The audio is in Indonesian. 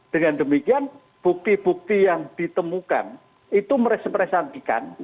dengan demikian bukti bukti yang ditemukan itu meresap resantikan